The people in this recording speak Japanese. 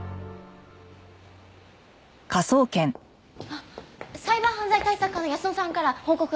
あっサイバー犯罪対策課の泰乃さんから報告が来ました。